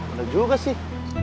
ada juga sih